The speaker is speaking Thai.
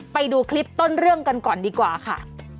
ไปดูคลิปต้นเรื่องกันก่อนดีกว่าค่ะ